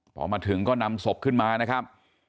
พอมาถึงก็นำศพขึ้นมานะครับ